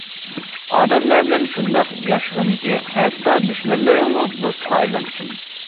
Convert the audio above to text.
ئادەملەر بىلەن شۇنداق ياشىغىنكى، ھەتتا دۈشمەنلىرىڭمۇ دوستقا ئايلانسۇن.